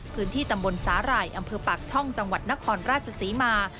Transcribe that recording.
พื้นที่ตำบลสาหร่ายอำเภอปากช่องจังหวัดนครราชศรีมา